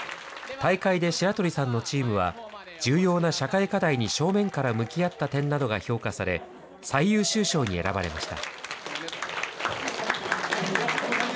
大会で白取さんのチームは、重要な社会課題に正面から向き合った点などが評価され、最優秀賞に選ばれました。